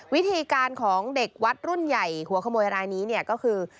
วิธีการของเด็กวัดรุ่นใหญ่หัวขโมยรายนี้เนี่ยก็คือ